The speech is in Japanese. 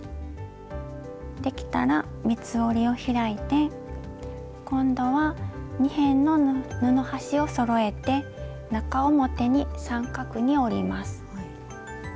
できたら三つ折りを開いて今度は２辺の布端をそろえて中表に三角に折ります。